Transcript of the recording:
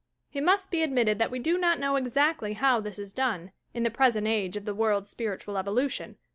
It must be admitted that we do not know exactly bow this is done, in the present age of the world's spiritoal evolution.